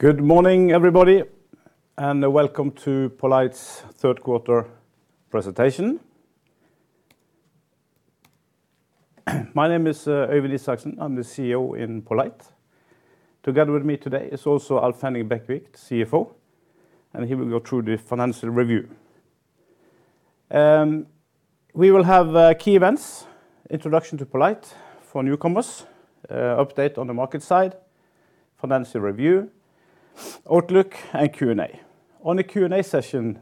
Good morning, everybody, and welcome to poLight's Q3 presentation. My name is Øyvind Isaksen. I'm the CEO in poLight. Together with me today is also Alf Henning Bekkevik, the CFO, and he will go through the financial review. We will have key events, introduction to poLight for newcomers, update on the market side, financial review, outlook, and Q&A. On the Q&A session,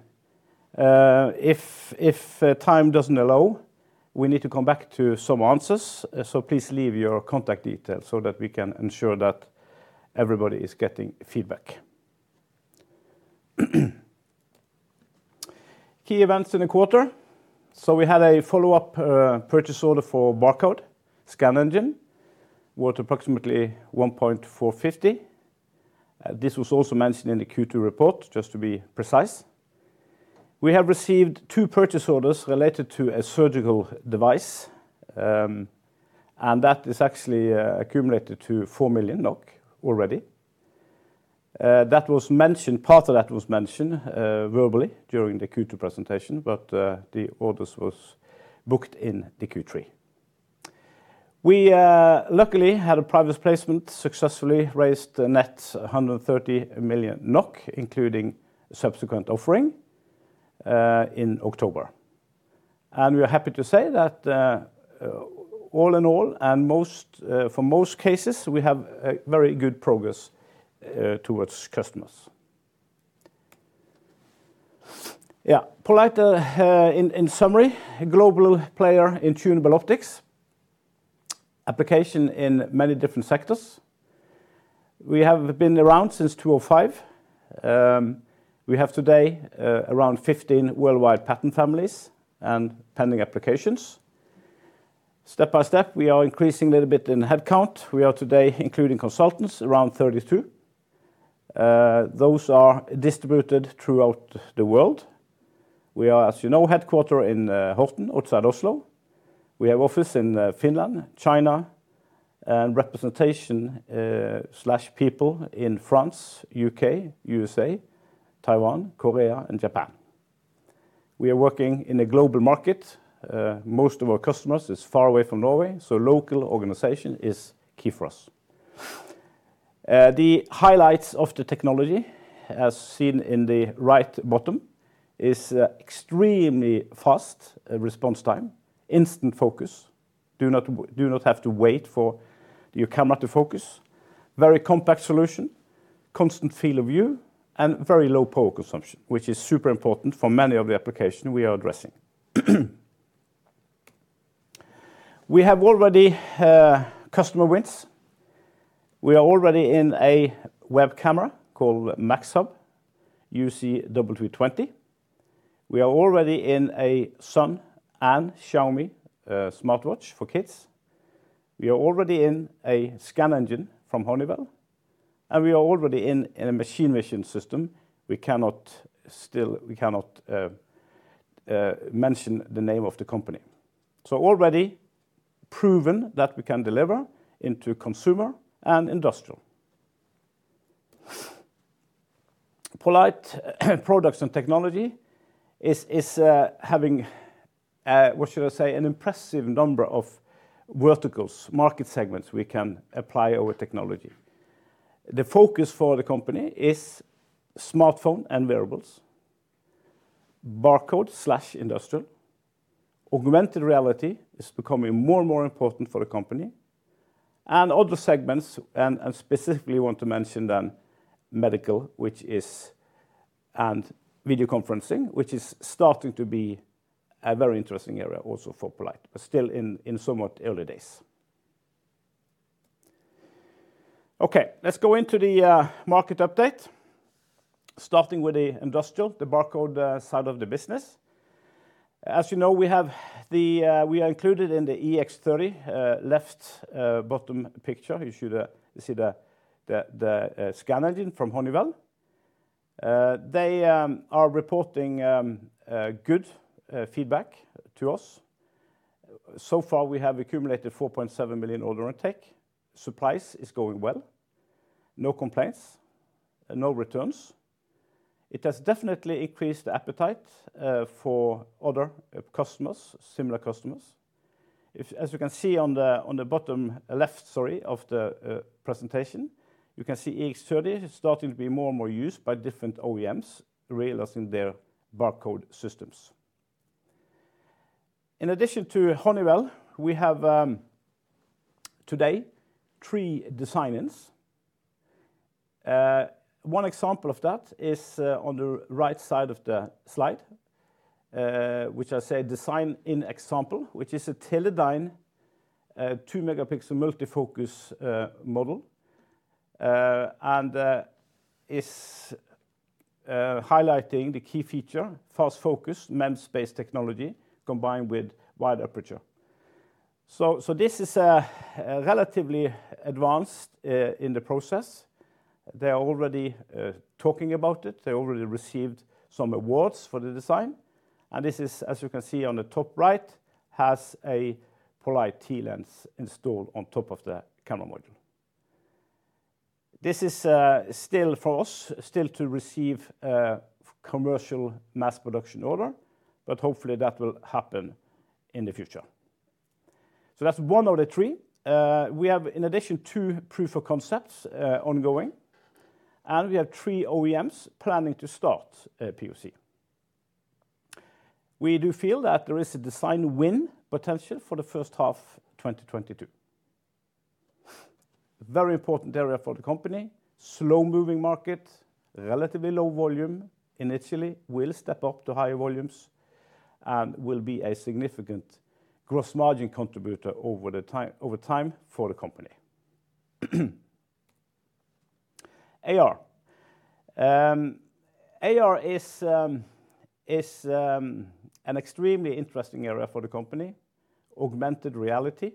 if time doesn't allow, we need to come back to some answers, so please leave your contact details so that we can ensure that everybody is getting feedback. Key events in the quarter. We had a follow-up purchase order for barcode scan engine worth approximately 1.45. This was also mentioned in the Q2 report, just to be precise. We have received two purchase orders related to a surgical device, and that is actually accumulated to 4 million NOK already. Part of that was mentioned verbally during the Q2 presentation, but the orders was booked in the Q3. We luckily had a private placement, successfully raised net 130 million NOK, including subsequent offering in October. We're happy to say that all in all, for most cases, we have very good progress towards customers. Yeah. poLight, in summary, a global player in tunable optics. Application in many different sectors. We have been around since 2005. We have today around 15 worldwide patent families and pending applications. Step by step, we are increasing a little bit in headcount. We are today, including consultants, around 32. Those are distributed throughout the world. We are, as you know, headquartered in Horten outside Oslo. We have office in Finland, China, and representation slash people in France, U.K., U.S.A., Taiwan, Korea, and Japan. We are working in a global market. Most of our customers is far away from Norway, so local organization is key for us. The highlights of the technology, as seen in the right bottom, is extremely fast response time, instant focus. Do not have to wait for your camera to focus. Very compact solution, constant field of view, and very low power consumption, which is super important for many of the application we are addressing. We have already customer wins. We are already in a web camera called MAXHUB UC W20. We are already in a Xun and Xiaomi smartwatch for kids. We are already in a scan engine from Honeywell, and we are already in a machine vision system. We cannot mention the name of the company. Already proven that we can deliver into consumer and industrial. poLight products and technology having what should I say an impressive number of verticals, market segments we can apply our technology. The focus for the company is smartphone and wearables, barcode slash industrial. Augmented reality is becoming more and more important for the company and other segments, and specifically want to mention then medical, which is and videoconferencing, which is starting to be a very interesting area also for poLight, but still in somewhat early days. Okay, let's go into the market update. Starting with the industrial, the barcode side of the business. As you know, we are included in the EX30, left bottom picture. You should see the scan engine from Honeywell. They are reporting a good feedback to us. So far, we have accumulated 4.7 million order intake. Supplies is going well. No complaints and no returns. It has definitely increased the appetite for other customers, similar customers. As you can see on the bottom left, sorry, of the presentation, you can see EX30 is starting to be more and more used by different OEMs realizing their barcode systems. In addition to Honeywell, we have today three design-ins. One example of that is on the right side of the slide, which I say design-in example, which is a Teledyne 2-megapixel multi-focus model, and is highlighting the key feature, fast focus, MEMS-based technology combined with wide aperture. This is relatively advanced in the process. They are already talking about it. They already received some awards for the design. This is, as you can see on the top right, has a poLight TLens installed on top of the camera module. This is still to receive commercial mass production order, but hopefully that will happen in the future. That's one of the three. We have in addition two proof of concepts ongoing, and we have three OEMs planning to start a POC. We do feel that there is a design win potential for the first half 2022. Very important area for the company, slow-moving market, relatively low volume initially, will step up to higher volumes, and will be a significant gross margin contributor over time for the company. AR. AR is an extremely interesting area for the company. Augmented reality,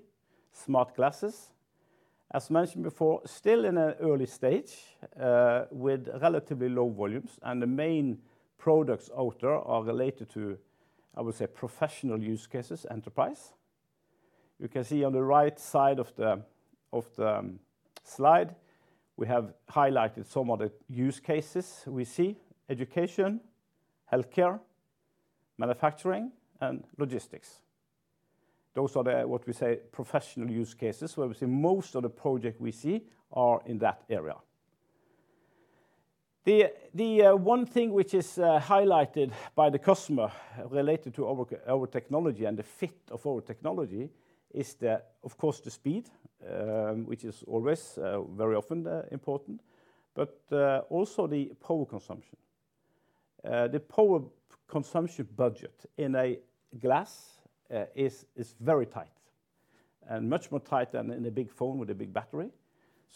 smart glasses. As mentioned before, still in an early stage, with relatively low volumes, and the main products out there are related to, I would say, professional use cases enterprise. You can see on the right side of the slide, we have highlighted some of the use cases we see: education, healthcare, manufacturing, and logistics. Those are what we say, professional use cases, where we see most of the project we see are in that area. One thing which is highlighted by the customer related to our technology and the fit of our technology is, of course, the speed, which is always very often important, but also the power consumption. The power consumption budget in glasses is very tight, and much more tight than in a big phone with a big battery.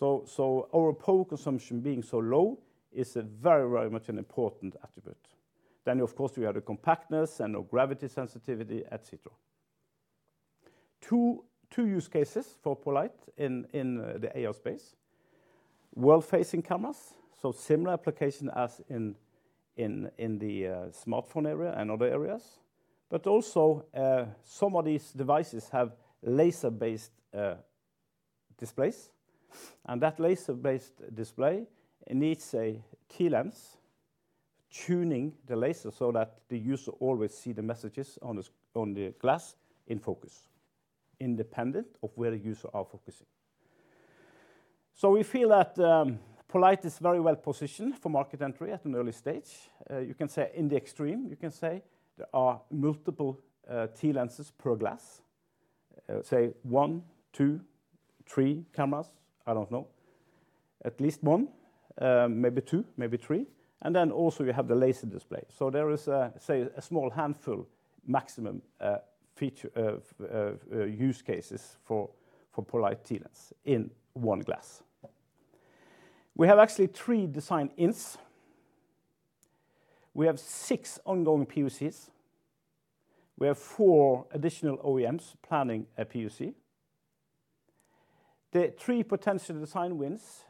Our power consumption being so low is very much an important attribute. Then, of course, we have the compactness and no gravity sensitivity, etc. Two use cases for poLight in the AR space. World-facing cameras, so similar application as in the smartphone area and other areas. Also, some of these devices have laser-based displays, and that laser-based display needs a TLens tuning the laser so that the user always see the messages on the glass in focus, independent of where the user are focusing. We feel that poLight is very well positioned for market entry at an early stage. You can say in the extreme, you can say there are multiple TLenses per glass. Say 1, 2, 3 cameras, I don't know. At least one, maybe two, maybe three. Then also you have the laser display. There is say a small handful maximum feature of use cases for poLight TLens in one glass. We have actually 3 design-ins. We have 6 ongoing POCs. We have 4 additional OEMs planning a POC. The three potential design wins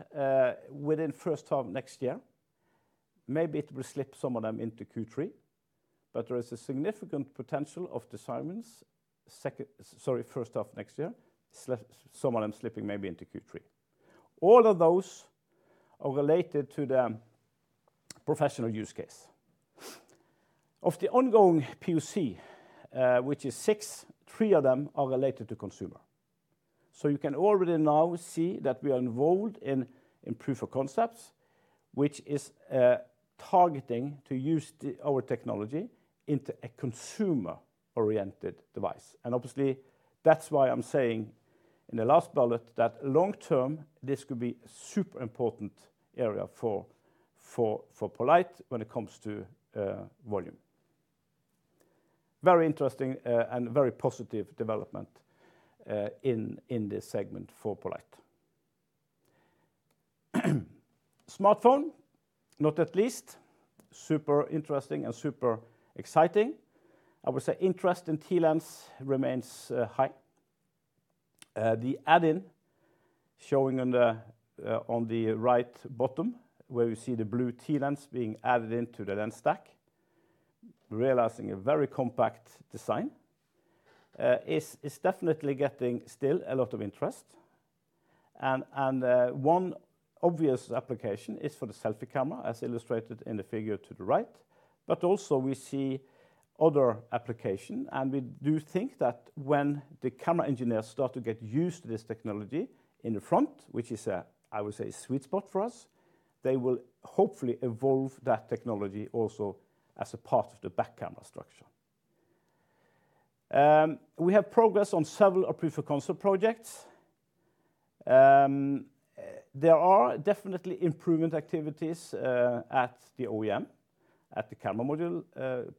within first half of next year. Maybe it will slip some of them into Q3, but there is a significant potential of design wins first half of next year, some of them slipping maybe into Q3. All of those are related to the professional use case. Of the ongoing POC, which is six, three of them are related to consumer. So you can already now see that we are involved in proof of concepts, which is targeting to use our technology into a consumer-oriented device. Obviously, that's why I'm saying in the last bullet that long term, this could be super important area for poLight when it comes to volume. Very interesting and very positive development in this segment for poLight. Smartphone, not at least, super interesting and super exciting. I would say interest in TLens remains high. The add-in showing on the right bottom, where you see the blue TLens being added into the lens stack, realizing a very compact design, is definitely getting still a lot of interest. One obvious application is for the selfie camera, as illustrated in the figure to the right. We see other application, and we do think that when the camera engineers start to get used to this technology in the front, which is a sweet spot for us, they will hopefully evolve that technology also as a part of the back camera structure. We have progress on several proof-of-concept projects. There are definitely improvement activities at the OEM, at the camera module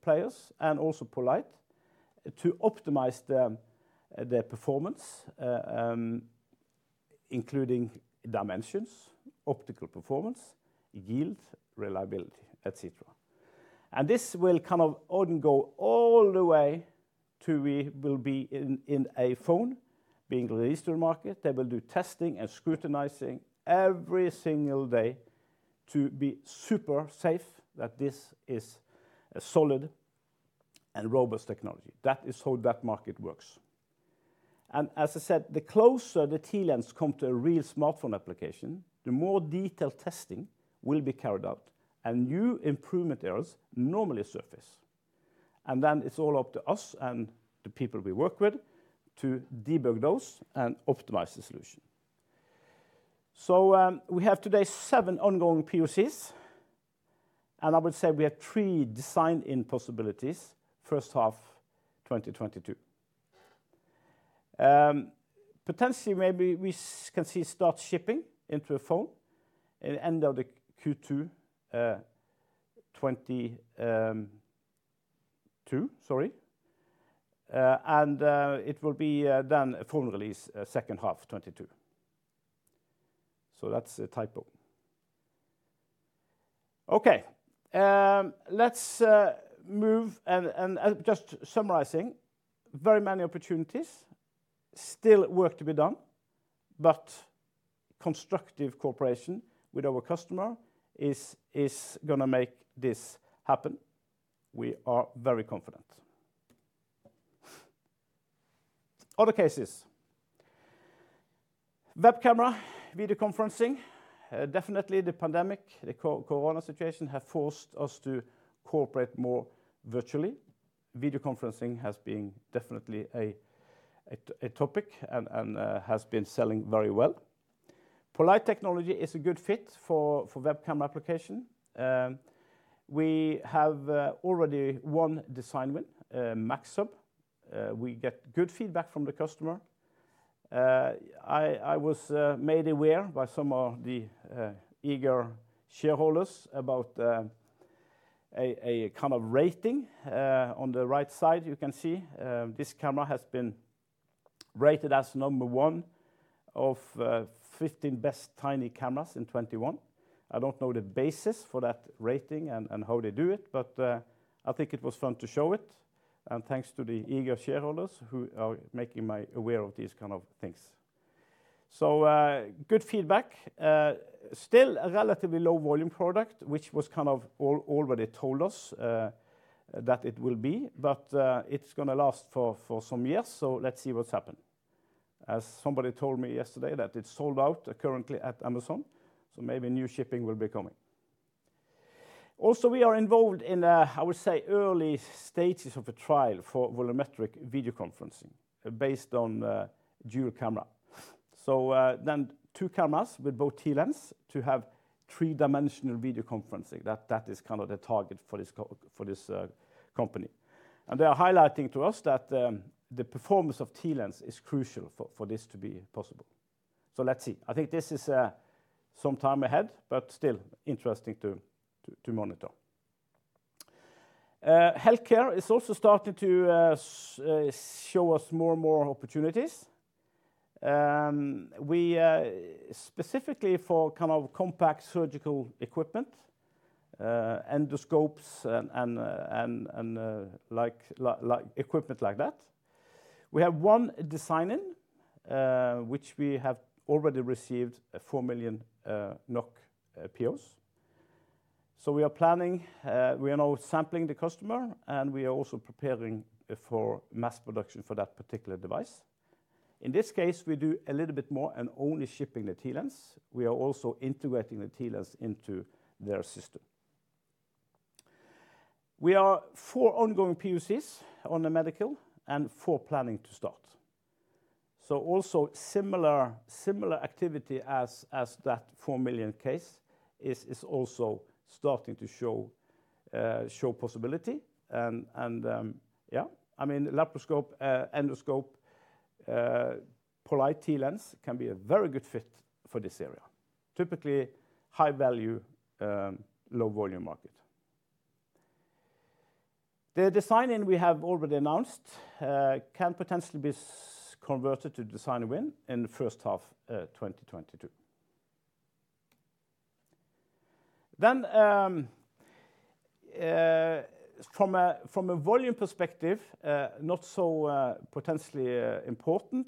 players, and also poLight to optimize the performance, including dimensions, optical performance, yield, reliability, et cetera. This will go all the way till we will be in a phone being released to the market. They will do testing and scrutinizing every single day to be super safe that this is a solid and robust technology. That is how that market works. As I said, the closer the TLens come to a real smartphone application, the more detailed testing will be carried out and new improvement areas normally surface. Then it's all up to us and the people we work with to debug those and optimize the solution. We have today seven ongoing POCs, and I would say we have three design-in possibilities first half 2022. Potentially maybe we can see start shipping into a phone in end of the Q2 2022. Sorry. It will be done a full release second half 2022. That's a typo. Let's move and just summarizing, very many opportunities, still work to be done, but constructive cooperation with our customer is gonna make this happen. We are very confident. Other cases. Web camera video conferencing. Definitely the pandemic, the COVID situation, have forced us to cooperate more virtually. Video conferencing has been definitely a topic and has been selling very well. poLight technology is a good fit for webcam application. We have already one design win, MAXHUB. We get good feedback from the customer. I was made aware by some of the eager shareholders about a kind of rating. On the right side, you can see this camera has been rated as number one of 15 best tiny cameras in 2021. I don't know the basis for that rating and how they do it, but I think it was fun to show it. Thanks to the eager shareholders who are making me aware of these kind of things. Good feedback. Still a relatively low volume product, which was kind of already told us that it will be, but it's gonna last for some years. Let's see what's happened. Somebody told me yesterday that it's sold out currently at Amazon, so maybe new shipping will be coming. We are involved in, I would say, early stages of a trial for volumetric video conferencing based on dual camera. Then two cameras with both TLens to have three-dimensional video conferencing. That is kind of the target for this company. They are highlighting to us that the performance of TLens is crucial for this to be possible. Let's see. I think this is some time ahead, but still interesting to monitor. Healthcare is also starting to show us more and more opportunities, specifically for kind of compact surgical equipment, endoscopes and equipment like that. We have one design-in which we have already received 4 million NOK POs. We are planning, we are now sampling the customer, and we are also preparing for mass production for that particular device. In this case, we do a little bit more than only shipping the TLens. We have four ongoing POCs in the medical and four planning to start. Also similar activity as that 4 million case is also starting to show possibility. I mean, laparoscope, endoscope, poLight TLens can be a very good fit for this area. Typically, high value, low volume market. The design-in we have already announced can potentially be converted to design win in the first half 2022. From a volume perspective, not so potentially important,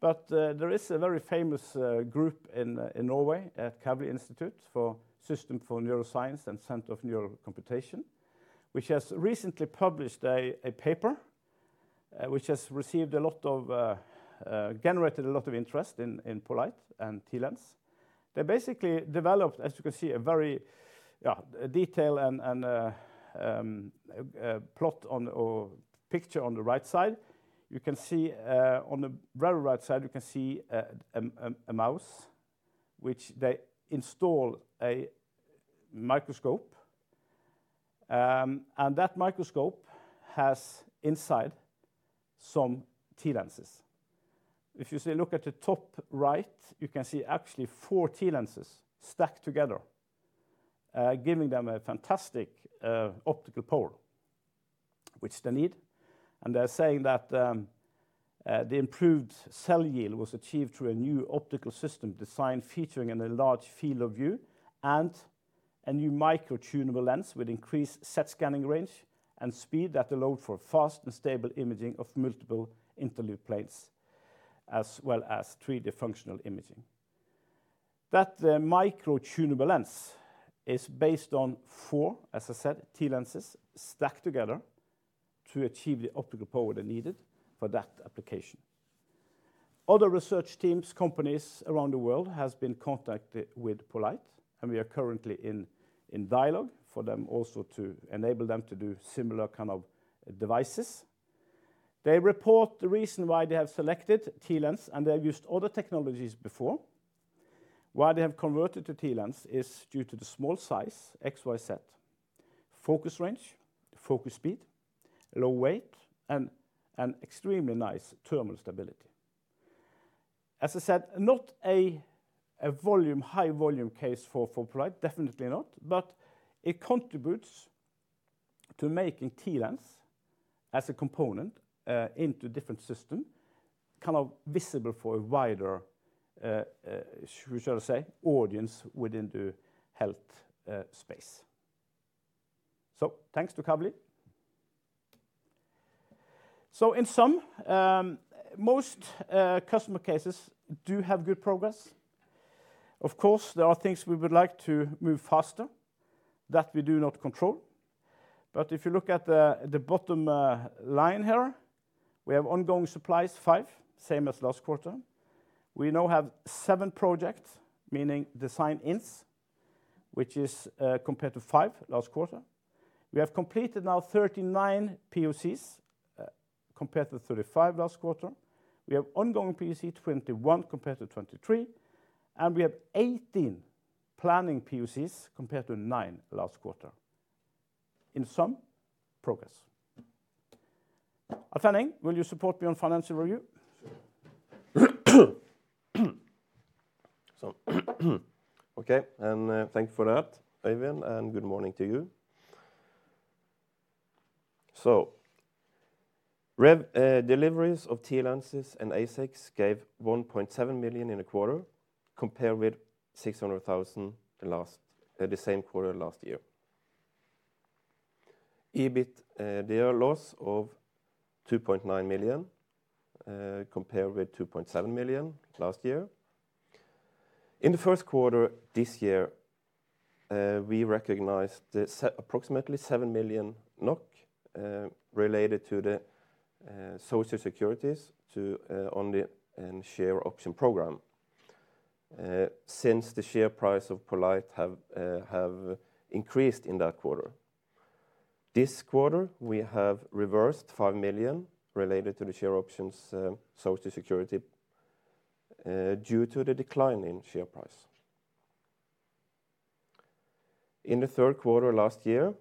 but there is a very famous group in Norway at Kavli Institute for Systems Neuroscience and Centre for Neural Computation, which has recently published a paper, which has generated a lot of interest in poLight and TLens. They basically developed, as you can see, a very detailed plot or picture on the right side. You can see, on the very right side, you can see a mouse which they install a microscope. And that microscope has inside some TLenses. If you look at the top right, you can see actually four TLenses stacked together, giving them a fantastic optical power, which they need. They're saying that the improved cell yield was achieved through a new optical system design featuring an enlarged field of view and a new micro tunable lens with increased z-scanning range and speed that allow for fast and stable imaging of multiple interleaved planes as well as 3-day functional imaging. That micro tunable lens is based on 4, as I said, TLenses stacked together to achieve the optical power they needed for that application. Other research teams, companies around the world has been contacted with poLight and we are currently in dialogue for them also to enable them to do similar kind of devices. They report the reason why they have selected TLens, and they have used other technologies before. Why they have converted to TLens is due to the small size, XYZ, focus range, focus speed, low weight, and extremely nice thermal stability. As I said, not a volume, high volume case for poLight, definitely not, but it contributes to making TLens as a component into different system, kind of visible for a wider shall I say, audience within the health space. Thanks to Kavli. In sum, most customer cases do have good progress. Of course, there are things we would like to move faster that we do not control. If you look at the bottom line here, we have ongoing supplies, 5, same as last quarter. We now have 7 projects, meaning design-ins, which is compared to 5 last quarter. We have completed now 39 POCs compared to 35 last quarter. We have ongoing POCs 21 compared to 23, and we have 18 planning POCs compared to 9 last quarter. In sum, progress. Alf Henning, will you support me on financial review? Sure. Okay, and thank you for that, Øyvind, and good morning to you. Deliveries of TLenses and ASICs gave 1.7 million in a quarter, compared with 600,000 the same quarter last year. EBIT, there was a loss of 2.9 million, compared with 2.7 million last year. In the Q1 this year, we recognized approximately 7 million NOK related to the social security tax on the share option program, since the share price of poLight have increased in that quarter. This quarter, we have reversed 5 million related to the share options, social security, due to the decline in share price. In the Q3 last year,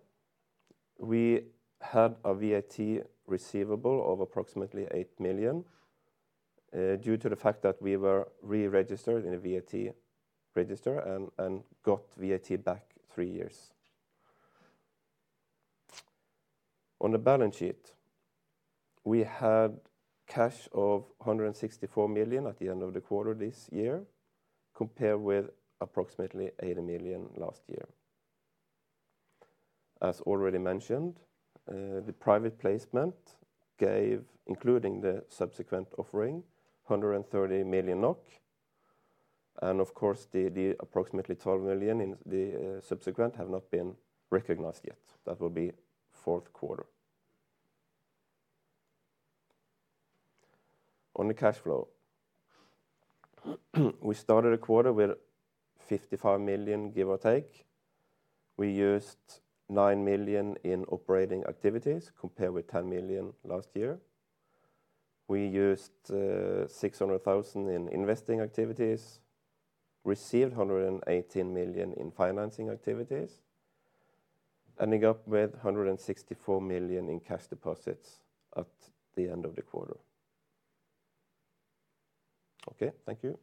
we had a VAT receivable of approximately 8 million due to the fact that we were re-registered in a VAT register and got VAT back three years. On the balance sheet, we had cash of 164 million at the end of the quarter this year, compared with approximately 80 million last year. As already mentioned, the private placement gave, including the subsequent offering, 130 million NOK. Of course, the approximately 12 million in the subsequent have not been recognized yet. That will be Q4. On the cash flow, we started the quarter with 55 million, give or take. We used 9 million in operating activities, compared with 10 million last year. We used 600 thousand in investing activities, received 118 million in financing activities, ending up with 164 million in cash deposits at the end of the quarter. Okay. Thank you.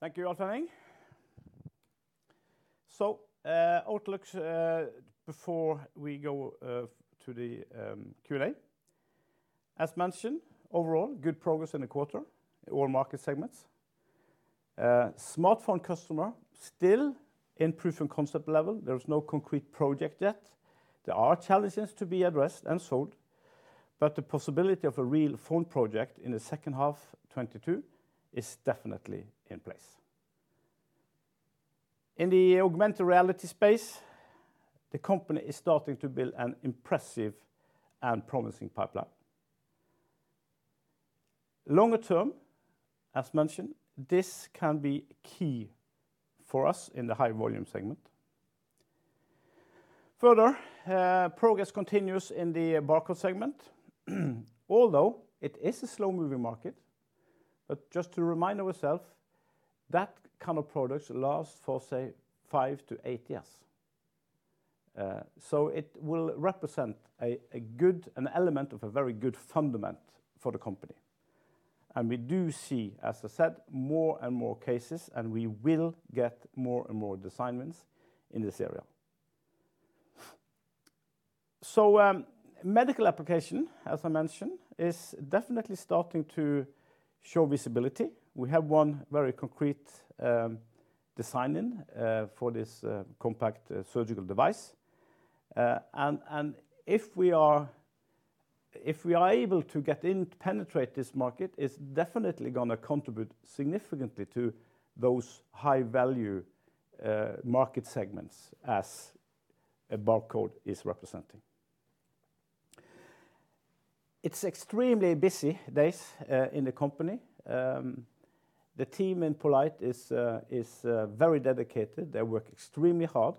Thank you, Alf Henning. Outlooks before we go to the Q&A. As mentioned, overall, good progress in the quarter, all market segments. Smartphone customer still in proof-of-concept level. There is no concrete project yet. There are challenges to be addressed and solved, but the possibility of a real phone project in the second half 2022 is definitely in place. In the augmented reality space, the company is starting to build an impressive and promising pipeline. Longer term, as mentioned, this can be key for us in the high volume segment. Further, progress continues in the barcode segment, although it is a slow-moving market. Just to remind ourselves, that kind of products last for, say, five to eight years. It will represent an element of a very good foundation for the company. We do see, as I said, more and more cases, and we will get more and more design wins in this area. Medical application, as I mentioned, is definitely starting to show visibility. We have one very concrete design win for this compact surgical device. If we are able to get in, penetrate this market, it's definitely gonna contribute significantly to those high-value market segments as a barcode is representing. It's extremely busy days in the company. The team in poLight is very dedicated. They work extremely hard.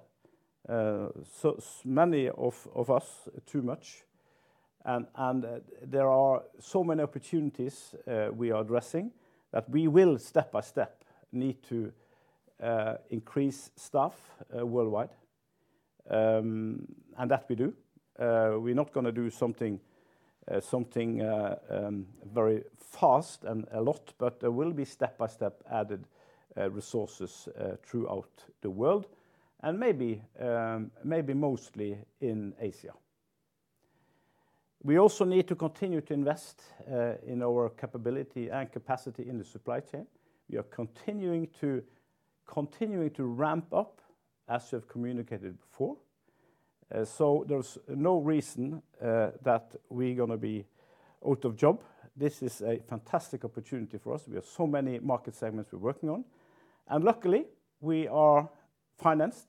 Many of us too much. There are so many opportunities we are addressing that we will step by step need to increase staff worldwide, and that we do. We're not gonna do something very fast and a lot, but there will be step-by-step added resources throughout the world and maybe mostly in Asia. We also need to continue to invest in our capability and capacity in the supply chain. We are continuing to ramp up, as we have communicated before. There's no reason that we're gonna be out of job. This is a fantastic opportunity for us. We have so many market segments we're working on. Luckily, we are financed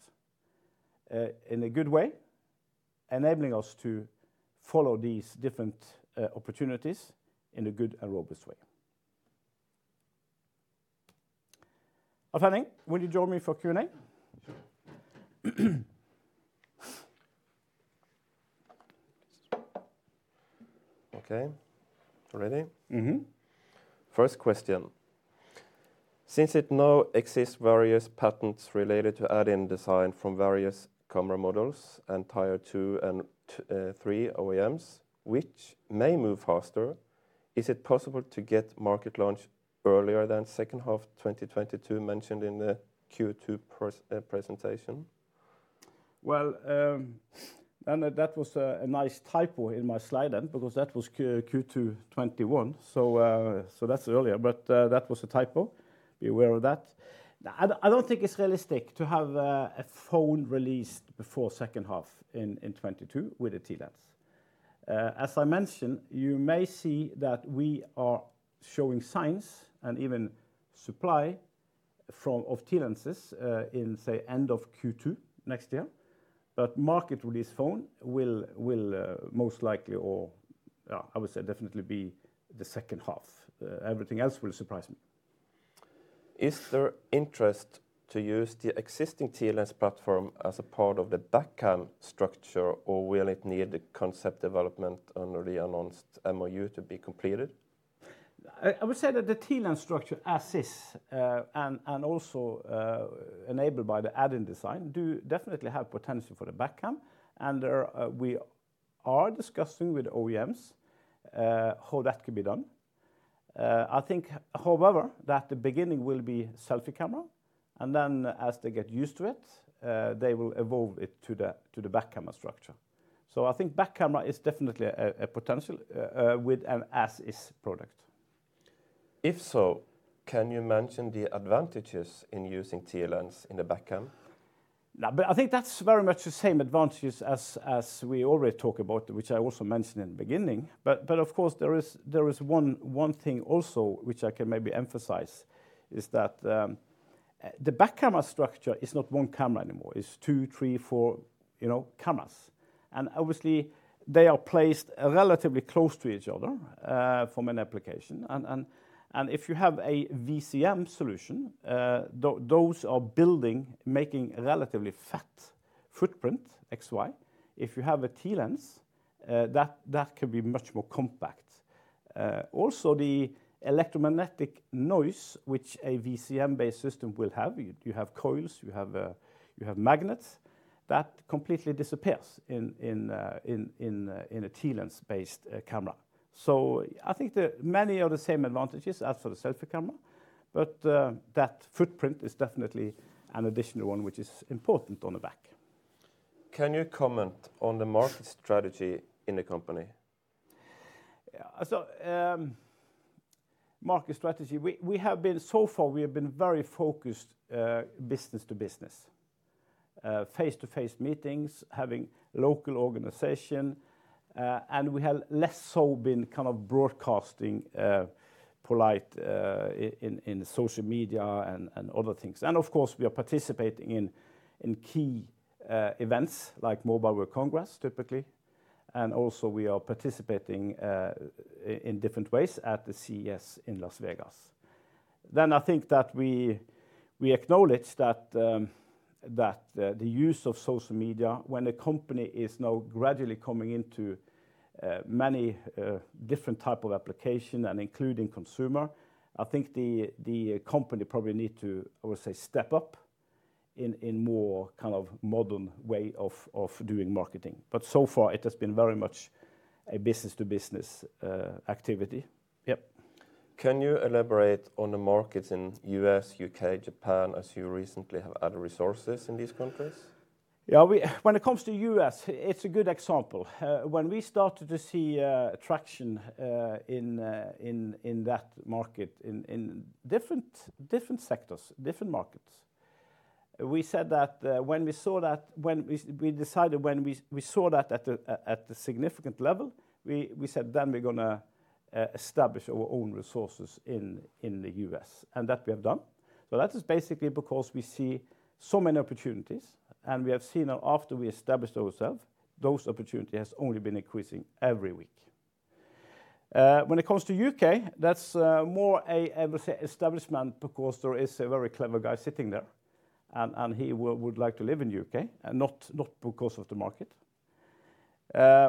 in a good way, enabling us to follow these different opportunities in a good and robust way. Alf Henning, will you join me for Q&A? Sure. Okay. Ready? First question. Since there now exist various patents related to Add-In design from various camera models and tier two and three OEMs, which may move faster, is it possible to get market launch earlier than second half 2022 mentioned in the Q2 presentation? Well, that was a nice typo in my slide then because that was Q2 2021. That's earlier, but that was a typo. Be aware of that. I don't think it's realistic to have a phone released before second half in 2022 with a TLens. As I mentioned, you may see that we are showing signs and even supply of TLenses in, say, end of Q2 next year. Market release phone will most likely or I would say definitely be the second half. Everything else will surprise me. Is there interest to use the existing TLens platform as a part of the back cam structure, or will it need the concept development on the announced MOU to be completed? I would say that the TLens structure as is, and also enabled by the Add-In design, do definitely have potential for the back cam. We are discussing with OEMs how that could be done. I think, however, that the beginning will be selfie camera, and then as they get used to it, they will evolve it to the back camera structure. I think back camera is definitely a potential with an as-is product. If so, can you mention the advantages in using TLens in the back cam? No, I think that's very much the same advantages as we already talk about, which I also mentioned in the beginning. Of course there is one thing also which I can maybe emphasize, is that the back camera structure is not one camera anymore. It's two, three, four, you know, cameras. Obviously they are placed relatively close to each other from an application. If you have a VCM solution, those make relatively fat footprint XY. If you have a TLens, that could be much more compact. Also the electromagnetic noise which a VCM-based system will have, you have coils, you have magnets, that completely disappears in a TLens-based camera. I think many are the same advantages as for the selfie camera, but that footprint is definitely an additional one which is important on the back. Can you comment on the market strategy in the company? Yeah. Market strategy. So far, we have been very focused business to business. Face-to-face meetings, having local organization, and we have less so been kind of broadcasting poLight in social media and other things. Of course, we are participating in key events like Mobile World Congress, typically. Also we are participating in different ways at the CES in Las Vegas. I think that we acknowledge that the use of social media when the company is now gradually coming into many different type of application and including consumer. I think the company probably need to, I would say, step up in more kind of modern way of doing marketing. So far it has been very much a business to business activity. Can you elaborate on the markets in U.S., U.K., Japan, as you recently have added resources in these countries? Yeah. When it comes to U.S., it's a good example. When we started to see traction in that market in different sectors, different markets, we said that when we decided when we saw that at a significant level, we said then we're gonna establish our own resources in the U.S., and that we have done. That is basically because we see so many opportunities, and we have seen that after we established ourselves, those opportunity has only been increasing every week. When it comes to U.K., that's more a, I would say, establishment because there is a very clever guy sitting there and he would like to live in U.K. and not because of the market.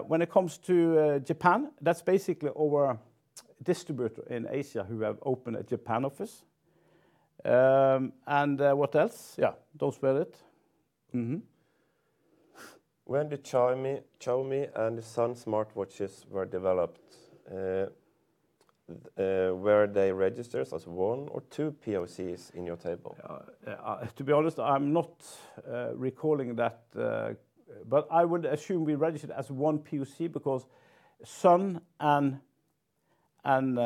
When it comes to Japan, that's basically our distributor in Asia who have opened a Japan office. What else? Yeah. Those were it. When the Xiaomi and the Xun smartwatches were developed, were they registered as one or two POCs in your table? To be honest, I'm not recalling that, but I would assume we registered as one POC because Xun and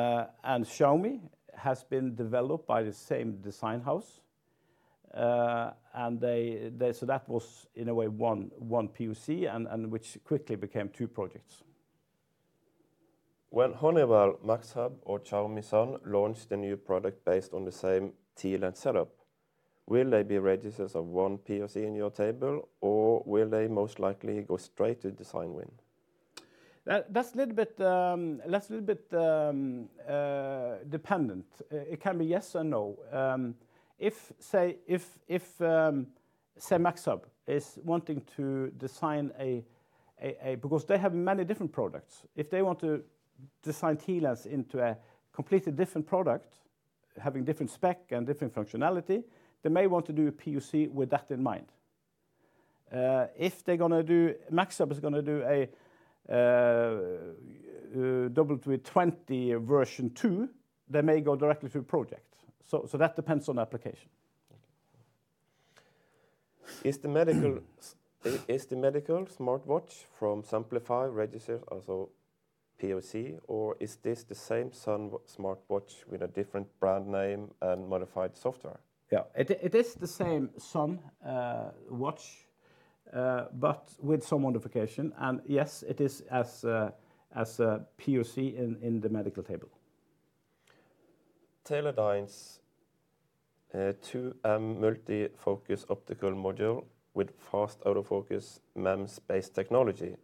Xiaomi has been developed by the same design house. That was in a way one POC and which quickly became two projects. When Honeywell, MAXHUB or Xiaomi Xun launched a new product based on the same TLens setup, will they be registered as one POC in your table, or will they most likely go straight to design win? That's a little bit dependent. It can be yes or no. If, say, MAXHUB is wanting to design because they have many different products. If they want to design TLens into a completely different product, having different spec and different functionality, they may want to do a POC with that in mind. If MAXHUB is gonna do a UC W20 version 2, they may go directly to project. That depends on application. Okay. Is the medical smartwatch from Simplify registered as a POC or is this the same Xun smartwatch with a different brand name and modified software? It is the same Xun watch, but with some modification. Yes, it is a POC in the medical tablet. Teledyne's 2MP multi-focus optical module with fast autofocus MEMS-based technology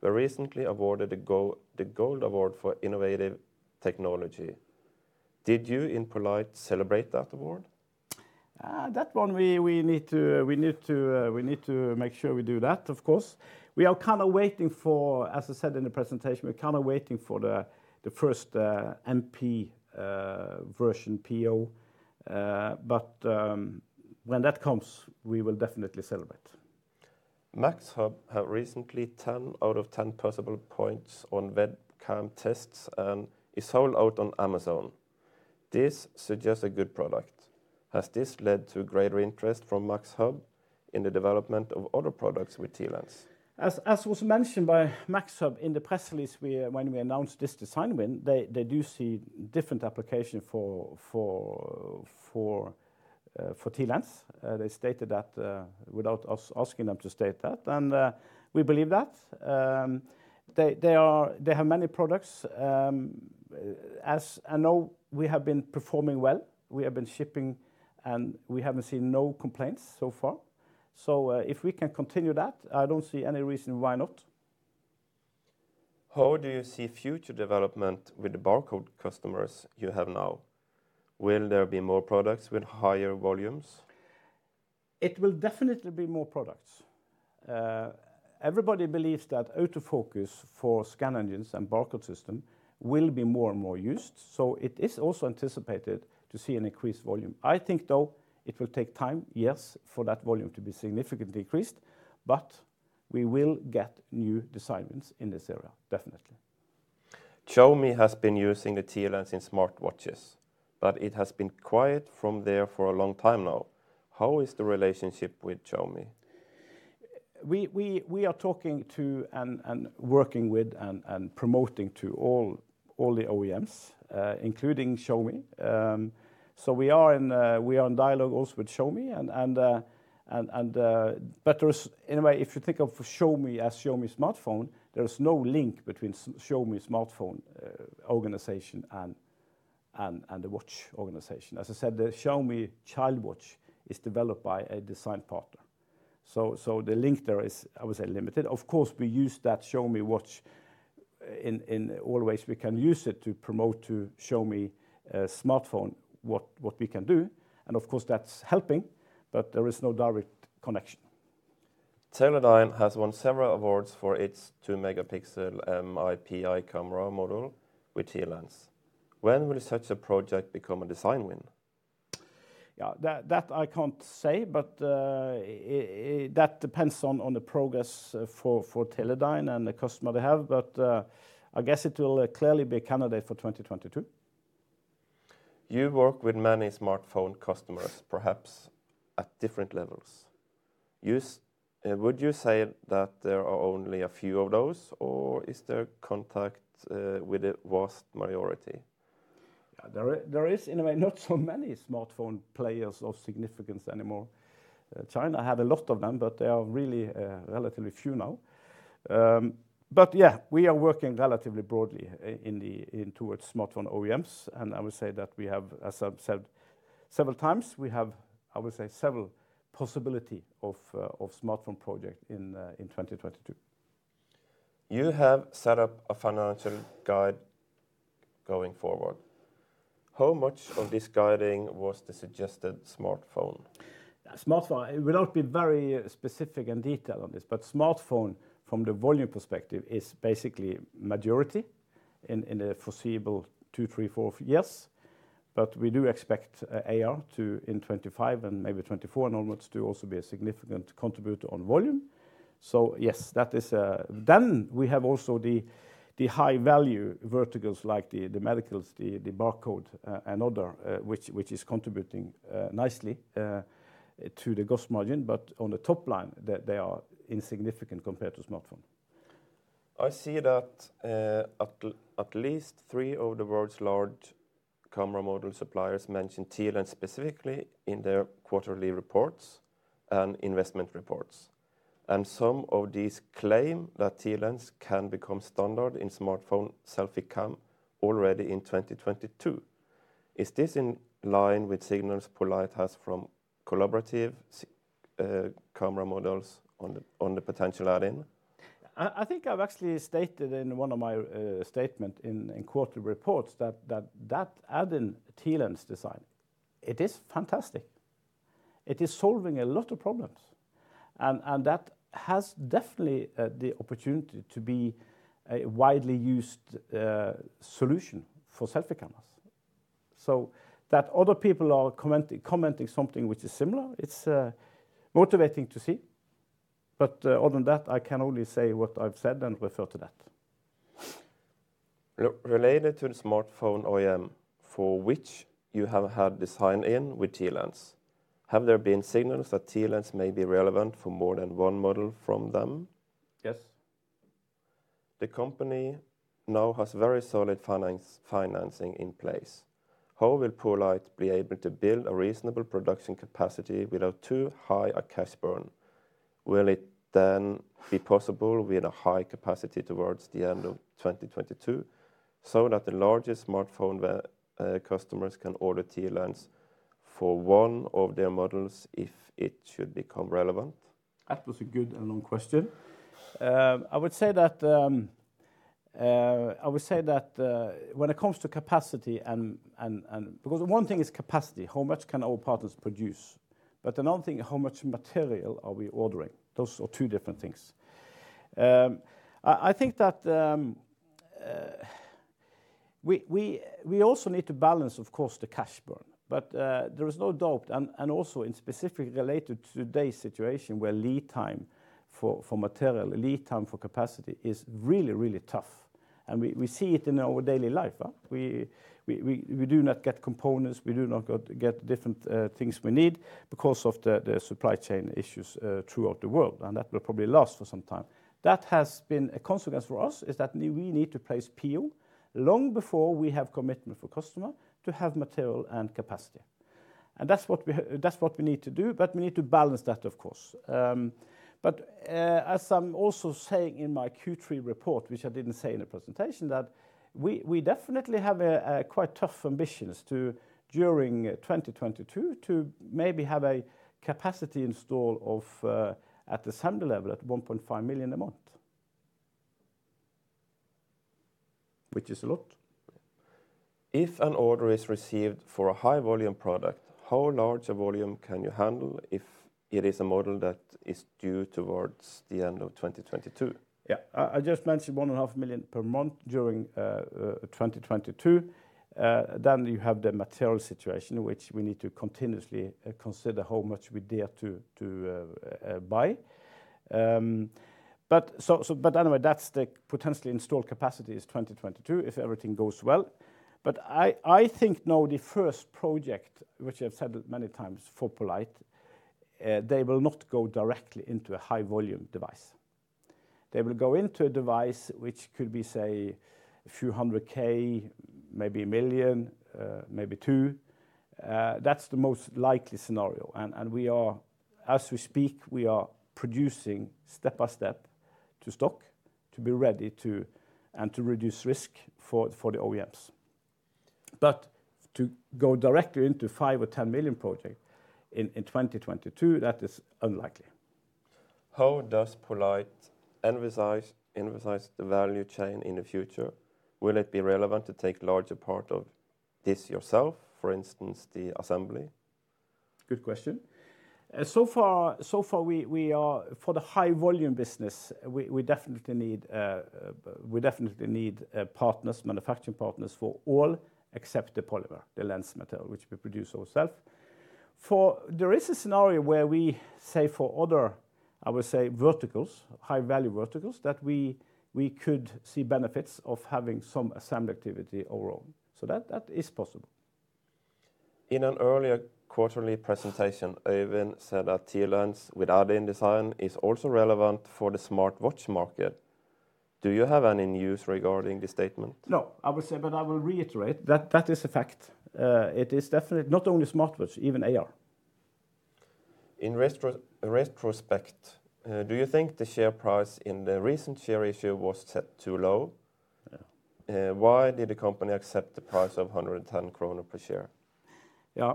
were recently awarded the Gold Award for innovative technology. Did you in poLight celebrate that award? That one, we need to make sure we do that, of course. As I said in the presentation, we're kinda waiting for the first MP version PO. When that comes, we will definitely celebrate. MAXHUB have recently 10 out of 10 possible points on webcam tests and is sold out on Amazon. This suggests a good product. Has this led to greater interest from MAXHUB in the development of other products with TLens? As was mentioned by MAXHUB in the press release when we announced this design win, they do see different application for TLens. They stated that without us asking them to state that, and we believe that. They have many products. As I know we have been performing well. We have been shipping, and we haven't seen no complaints so far. If we can continue that, I don't see any reason why not. How do you see future development with the barcode customers you have now? Will there be more products with higher volumes? It will definitely be more products. Everybody believes that autofocus for scan engines and barcode system will be more and more used, so it is also anticipated to see an increased volume. I think, though, it will take time, yes, for that volume to be significantly increased, but we will get new designs in this area, definitely. Xiaomi has been using the TLens in smartwatches, but it has been quiet from there for a long time now. How is the relationship with Xiaomi? We are talking to and working with and promoting to all the OEMs, including Xiaomi. We are in dialogue also with Xiaomi, but anyway, if you think of Xiaomi as Xiaomi smartphone, there's no link between Xiaomi smartphone organization and the watch organization. As I said, the Xiaomi Child Watch is developed by a design partner. The link there is, I would say, limited. Of course, we use that Xiaomi watch in all ways we can use it to promote to Xiaomi smartphone, what we can do, and of course, that's helping, but there is no direct connection. Teledyne has won several awards for its 2 MP MIPI camera module with TLens. When will such a project become a design win? Yeah, that I can't say, but that depends on the progress for Teledyne and the customer they have. I guess it will clearly be a candidate for 2022. You work with many smartphone customers, perhaps at different levels. Would you say that there are only a few of those, or is there contact with a vast majority? Yeah. There is in a way not so many smartphone players of significance anymore. China had a lot of them, but they are really relatively few now. We are working relatively broadly in towards smartphone OEMs, and I would say that we have, as I've said several times, I would say, several possibilities of smartphone projects in 2022. You have set up a financial guidance going forward. How much of this guidance was the suggested smartphone? Smartphone. We won't be very specific and detailed on this, but smartphone from the volume perspective is basically majority in the foreseeable 2, 3, 4 years. We do expect AR to, in 2025 and maybe 2024 onwards, to also be a significant contributor on volume. Yes, that is. We have also the high value verticals like the medical, the barcode, and other which is contributing nicely to the gross margin. On the top line, they are insignificant compared to smartphone. I see that at least three of the world's large camera module suppliers mention TLens specifically in their quarterly reports and investment reports. Some of these claim that TLens can become standard in smartphone selfie cam already in 2022. Is this in line with signals poLight has from collaborative camera modules on the potential add-in? I think I've actually stated in one of my statements in quarterly reports that Add-In TLens design, it is fantastic. It is solving a lot of problems. That has definitely the opportunity to be a widely used solution for selfie cameras. That other people are commenting something which is similar, it's motivating to see. Other than that, I can only say what I've said and refer to that. Related to the smartphone OEM for which you have had design-in with TLens, have there been signals that TLens may be relevant for more than one model from them? Yes. The company now has very solid financing in place. How will poLight be able to build a reasonable production capacity without too high a cash burn? Will it then be possible with a high capacity towards the end of 2022, so that the largest smartphone customers can order TLens for one of their models if it should become relevant? That was a good and long question. I would say that when it comes to capacity and because one thing is capacity, how much can our partners produce? Another thing, how much material are we ordering? Those are two different things. I think that we also need to balance, of course, the cash burn. There is no doubt, and also specifically related to today's situation, where lead time for material, lead time for capacity is really tough. We see it in our daily life. We do not get components, we do not get different things we need because of the supply chain issues throughout the world, and that will probably last for some time. That has been a consequence for us is that we need to place PO long before we have commitment for customer to have material and capacity. That's what we need to do, but we need to balance that, of course. As I'm also saying in my Q3 report, which I didn't say in the presentation, that we definitely have a quite tough ambitions to during 2022 to maybe have a capacity install of at the wafer level at 1.5 million a month. Which is a lot. If an order is received for a high volume product, how large a volume can you handle if it is a model that is due towards the end of 2022? Yeah. I just mentioned 1.5 million per month during 2022. Then you have the material situation, which we need to continuously consider how much we dare to buy. Anyway, that's the potentially installed capacity in 2022, if everything goes well. I think now the first project, which I've said many times for poLight, they will not go directly into a high volume device. They will go into a device which could be, say, a few hundred K, maybe a million, maybe two. That's the most likely scenario. We are, as we speak, producing step by step to stock to be ready to reduce risk for the OEMs. To go directly into 5 million or 10 million project in 2022, that is unlikely. How does poLight emphasize the value chain in the future? Will it be relevant to take larger part of this yourself, for instance, the assembly? Good question. For the high volume business, we definitely need manufacturing partners for all except the polymer, the lens material, which we produce ourselves. There is a scenario where we say for other, I would say, verticals, high value verticals, that we could see benefits of having some assembly activity overall. That is possible. In an earlier quarterly presentation, Øyvind said that TLens without design-in is also relevant for the smartwatch market. Do you have any news regarding this statement? No, I would say, but I will reiterate that that is a fact. It is definitely not only smartwatch, even AR. In retrospect, do you think the share price in the recent share issue was set too low? Why did the company accept the price of 110 kroner per share? Yeah.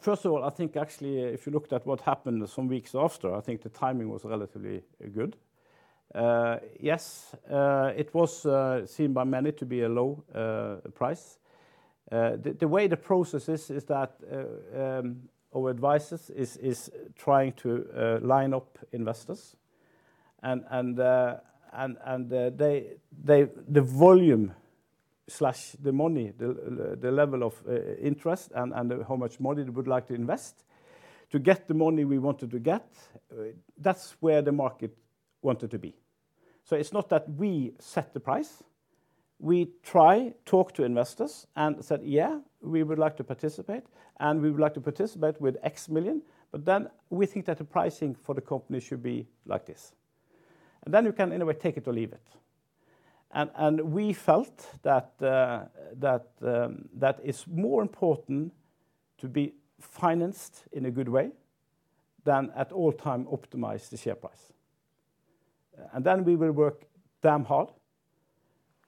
First of all, I think actually if you looked at what happened some weeks after, I think the timing was relatively good. Yes, it was seen by many to be a low price. The way the process is that our advisors is trying to line up investors and the volume, the money, the level of interest and how much money they would like to invest to get the money we wanted to get, that's where the market wanted to be. It's not that we set the price. We tried to talk to investors and said, "Yeah, we would like to participate, and we would like to participate with NOK X million, but then we think that the pricing for the company should be like this." Then you can in a way take it or leave it. We felt that it's more important to be financed in a good way than at all times optimize the share price. Then we will work damn hard,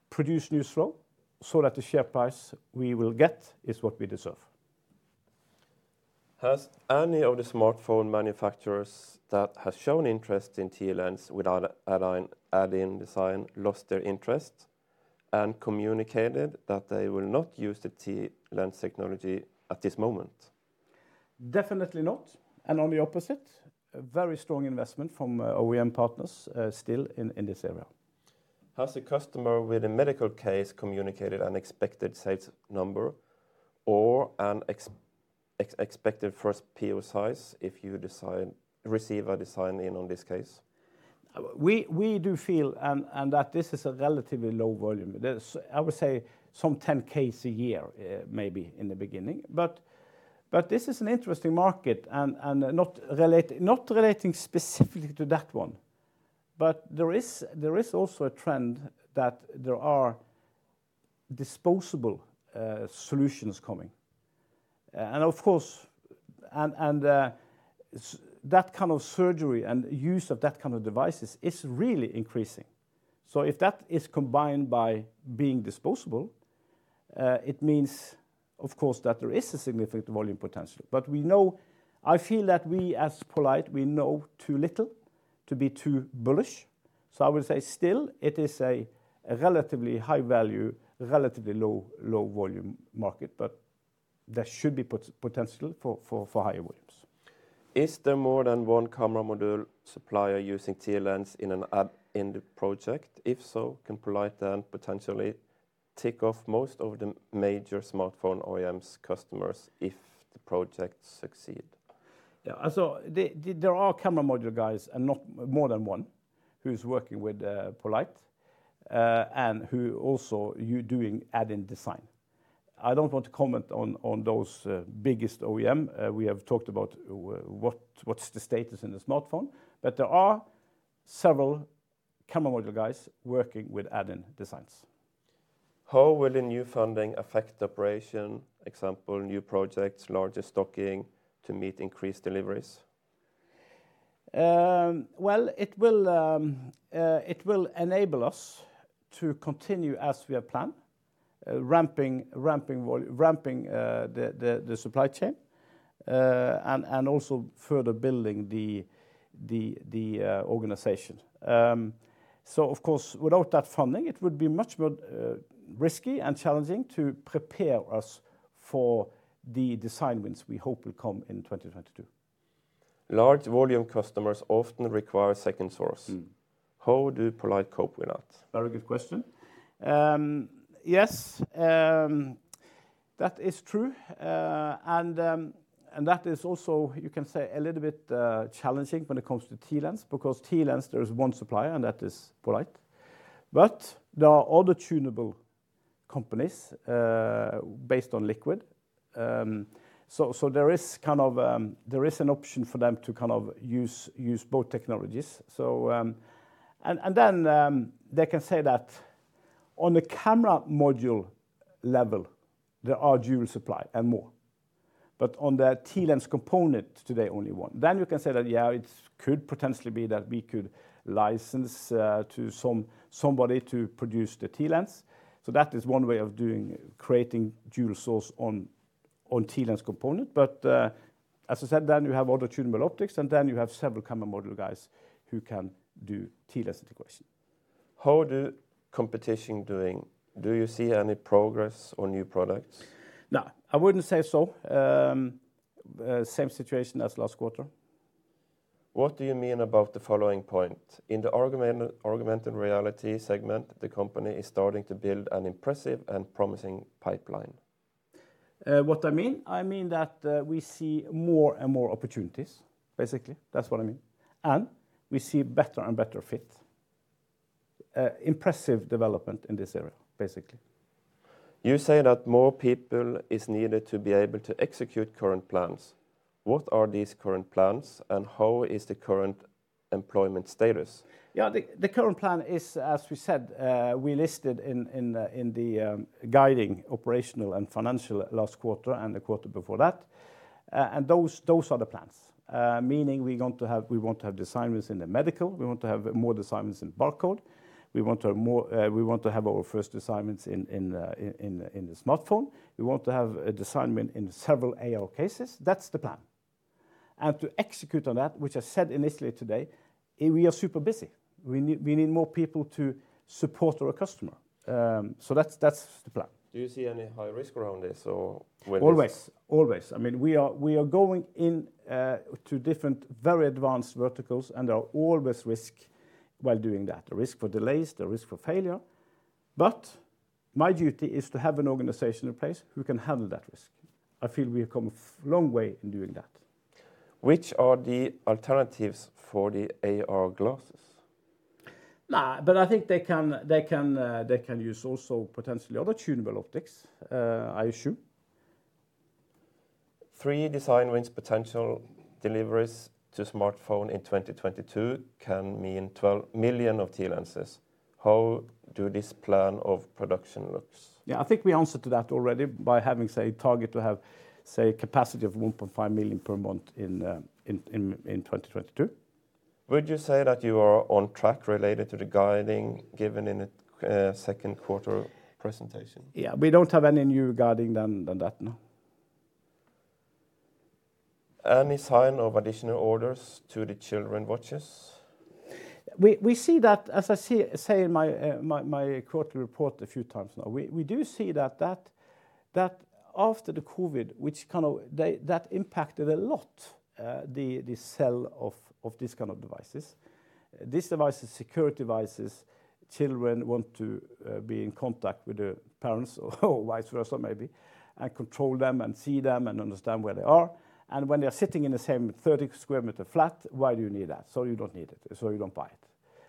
produce news flow, so that the share price we will get is what we deserve. Has any of the smartphone manufacturers that has shown interest in TLens without Add-In design lost their interest and communicated that they will not use the TLens technology at this moment? Definitely not. On the opposite, a very strong investment from OEM partners still in this area. Has the customer with a medical case communicated an expected sales number or an expected first PO size if you receive a design-in on this case? We do feel and that this is a relatively low volume. I would say some 10k cases a year, maybe in the beginning. This is an interesting market and not relating specifically to that one, but there is also a trend that there are disposable solutions coming. Of course, that kind of surgery and use of that kind of devices is really increasing. If that is combined by being disposable, it means, of course, that there is a significant volume potential. We know. I feel that we as poLight know too little to be too bullish. I would say it is still a relatively high value, relatively low volume market, but there should be potential for higher volumes. Is there more than one camera module supplier using TLens in an add-in project? If so, can poLight then potentially tick off most of the major smartphone OEM's customers if the project succeed? There are camera module guys, and no more than one, who's working with poLight, and who also are doing Add-In design. I don't want to comment on those biggest OEM. We have talked about what's the status in the smartphone. There are several camera module guys working with add-in designs. How will the new funding affect operations, example, new projects, larger stocking to meet increased deliveries? Well, it will enable us to continue as we have planned, ramping the organization. Of course, without that funding, it would be much more risky and challenging to prepare us for the design wins we hope will come in 2022. Large volume customers often require second source. How do poLight cope with that? Very good question. Yes, that is true. That is also, you can say, a little bit challenging when it comes to TLens, because TLens, there is one supplier, and that is poLight. There are other tunable companies based on liquid. There is kind of an option for them to kind of use both technologies. They can say that on the camera module level, there are dual supply and more. On the TLens component, today only one. You can say that, yeah, it could potentially be that we could license to somebody to produce the TLens. That is one way of creating dual source on TLens component. As I said, then you have other tunable optics, and then you have several camera module guys who can do TLens integration. How is the competition doing? Do you see any progress on new products? No, I wouldn't say so. Same situation as last quarter. What do you mean about the following point? In the augmented reality segment, the company is starting to build an impressive and promising pipeline. I mean that we see more and more opportunities, basically. That's what I mean. We see better and better fit. Impressive development in this area, basically. You say that more people is needed to be able to execute current plans. What are these current plans, and how is the current employment status? Yeah, the current plan is, as we said, we listed in the guidance operational and financial last quarter and the quarter before that. Those are the plans. Meaning we want to have design wins in the medical. We want to have more design wins in barcode. We want to have our first design wins in the smartphone. We want to have a design win in several AR cases. That's the plan. To execute on that, which I said initially today, we are super busy. We need more people to support our customer. That's the plan. Do you see any high risk around this or with this? Always. I mean, we are going in to different very advanced verticals, and there are always risk while doing that. The risk for delays, the risk for failure. My duty is to have an organization in place who can handle that risk. I feel we have come a long way in doing that. Which are the alternatives for the AR glasses? Nah, I think they can use also potentially other tunable optics, I assume. 3 design wins potential deliveries to smartphones in 2022 can mean 12 million TLenses. How does this plan of production look? Yeah, I think we answered to that already by having, say, target to have, say, capacity of 1.5 million per month in 2022. Would you say that you are on track related to the guiding given in the Q2 presentation? Yeah. We don't have any new guidance other than that, no. Any sign of additional orders for the children's watches? We see that, as I say in my quarterly report a few times now. We do see that after the COVID that impacted a lot the sale of these kind of devices. These devices, security devices, children want to be in contact with their parents or vice versa maybe, and control them and see them and understand where they are. When they're sitting in the same 30-square-meter flat, why do you need that? You don't need it. You don't buy it.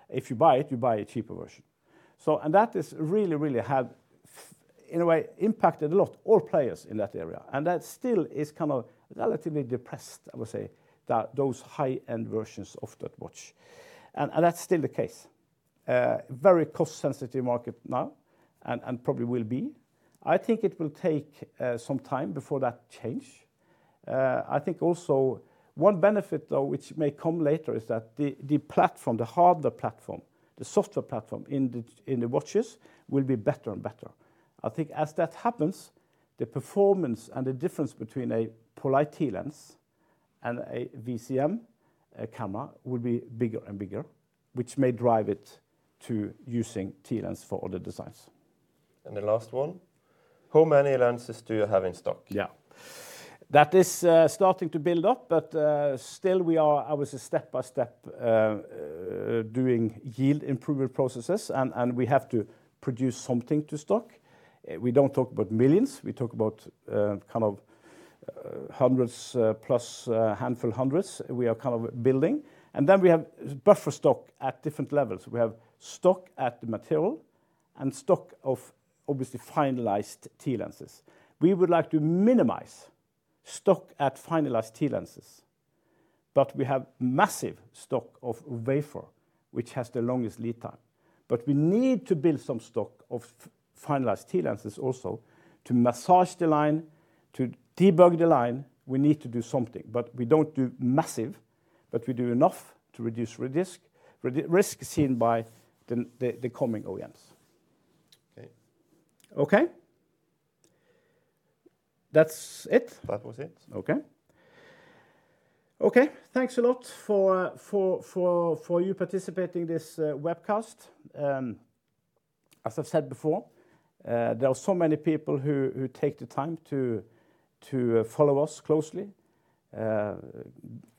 If you buy it, you buy a cheaper version. That really have in a way impacted a lot all players in that area. That still is kind of relatively depressed, I would say, those high-end versions of that watch. That's still the case. Very cost-sensitive market now and probably will be. I think it will take some time before that change. I think also one benefit though which may come later is that the platform, the hardware platform, the software platform in the watches will be better and better. I think as that happens, the performance and the difference between a poLight TLens and a VCM camera will be bigger and bigger, which may drive it to using TLens for other designs. The last one: How many lenses do you have in stock? Yeah. That is starting to build up, but still we are, I would say, step by step doing yield improvement processes and we have to produce something to stock. We don't talk about millions. We talk about kind of hundreds plus handful hundreds we are kind of building. We have buffer stock at different levels. We have stock at the material and stock of obviously finalized TLenses. We would like to minimize stock at finalized TLenses, but we have massive stock of wafer, which has the longest lead time. We need to build some stock of finalized TLenses also to manage the line, to debug the line. We need to do something, but we don't do massive, but we do enough to reduce risk, de-risk seen by the coming OEMs. Okay? That's it. That was it. Okay. Thanks a lot for you participating this webcast. As I've said before, there are so many people who take the time to follow us closely,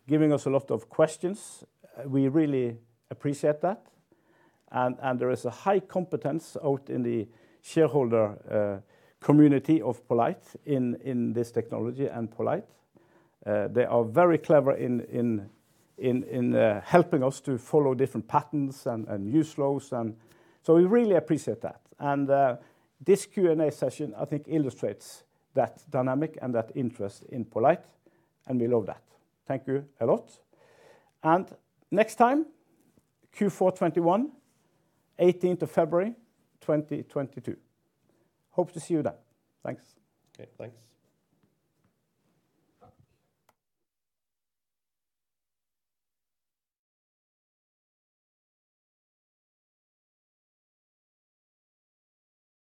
giving us a lot of questions. We really appreciate that. There is a high competence out in the shareholder community of poLight in this technology and poLight. They are very clever in helping us to follow different patents and U.S. laws. We really appreciate that. This Q&A session I think illustrates that dynamic and that interest in poLight, and we love that. Thank you a lot. Next time, Q4 2021, 18th of February, 2022. Hope to see you then. Thanks. Okay. Thanks.